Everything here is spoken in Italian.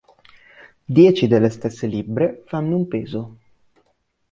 Dieci delle stesse libbre fanno un peso.